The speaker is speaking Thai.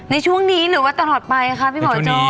ในช่วงนี้หรือว่าตลอดไปค่ะพี่หมอจอ